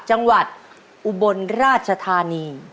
จังหวัดอุบลราชธานี